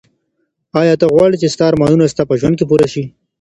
ایا ته غواړې چي ستا ارمانونه ستا په ژوند کي پوره سي؟